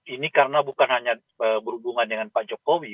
ini karena bukan hanya berhubungan dengan pak jokowi